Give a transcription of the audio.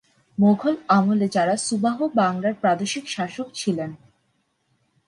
মুঘল আমলে যারা সুবাহ বাংলার প্রাদেশিক শাসক ছিলেন।